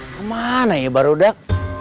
kemana ya baru dak